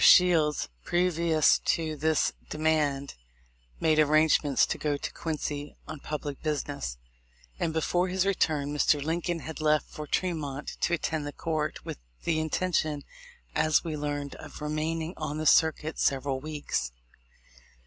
Shields, previous to this demand, made arrangements to go to Ouincy on public business ; and before his return Mr. Lincoln had left for Tremont to attend the court, with the intention, as we learned, of remaining on the circuit several weeks.